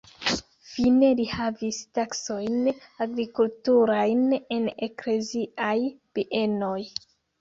Fine li havis taskojn agrikulturajn en ekleziaj bienoj.